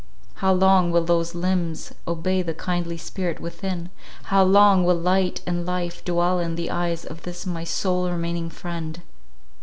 how long will those limbs obey the kindly spirit within? how long will light and life dwell in the eyes of this my sole remaining friend?